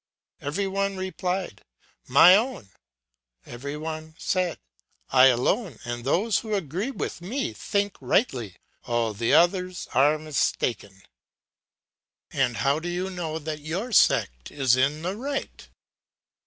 Every one replied, 'My own;' every one said, 'I alone and those who agree with me think rightly, all the others are mistaken.' And how do you know that your sect is in the right?